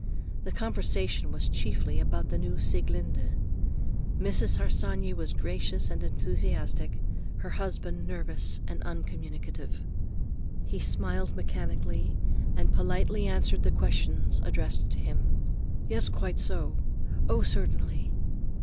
The conversation was chiefly about the new Sieglinde. Mrs. Harsanyi was gracious and enthusiastic, her husband nervous and uncommunicative. He smiled mechanically, and politely answered questions addressed to him. "Yes, quite so." "Oh, certainly."